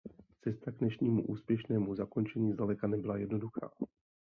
Cesta k dnešnímu úspěšnému zakončení zdaleka nebyla jednoduchá.